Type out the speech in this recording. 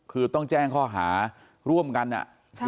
คือต้องแจ้งข้อหาร่วมกันอ่ะ